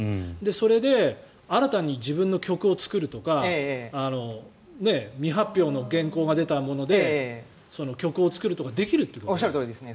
それで新たに自分の曲を作るとか未発表の原稿が出たもので曲を作るとかおっしゃるとおりです。